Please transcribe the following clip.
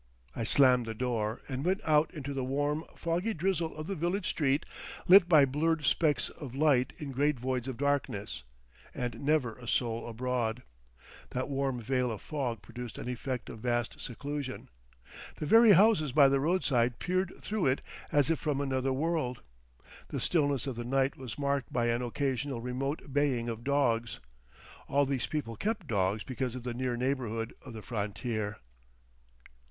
I slammed the door, and went out into the warm, foggy drizzle of the village street lit by blurred specks of light in great voids of darkness, and never a soul abroad. That warm veil of fog produced an effect of vast seclusion. The very houses by the roadside peered through it as if from another world. The stillness of the night was marked by an occasional remote baying of dogs; all these people kept dogs because of the near neighbourhood of the frontier.